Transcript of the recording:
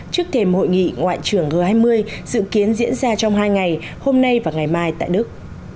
trước thêm hội nghị ngoại trưởng g hai mươi dự kiến diễn ra trong hai ngày hôm nay và ngày mai tại đức